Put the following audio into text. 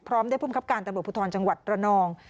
พร้อมได้ภูมิคับการทศภูทรจังหวัดระนอง